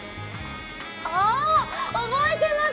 ああ覚えてます！